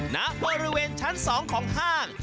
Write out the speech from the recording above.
ในบริเวณชั้นสองของห้าง